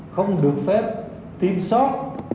không được phép tiêm sót